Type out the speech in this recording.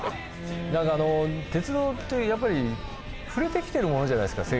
何か鉄道ってやっぱり触れてきてるものじゃないですか。